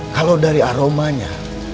kalau dari aromanya